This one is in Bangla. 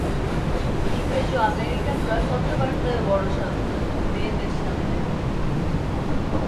ইংরেজ ও আমেরিকানরা কথাবার্তায়ও বড় সাবধান, মেয়েদের সামনে।